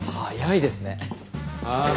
ああ。